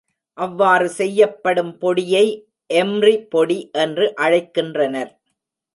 அவ்வாறு செய்யப்படும் பொடியை எம்ரி பொடி என்று அழைக்கின்றனர்.